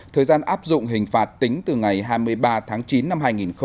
thời gian áp dụng hình phạt tính từ ngày hai mươi ba tháng chín năm hai nghìn một mươi chín